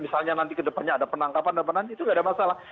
misalnya nanti ke depannya ada penangkapan dan penanti itu tidak ada masalah